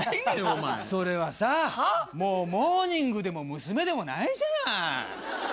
それはさもうモーニングでも娘でもないじゃない。